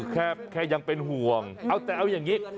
แค่ยังเป็นห่วงเอาแต่เอาอย่างนี้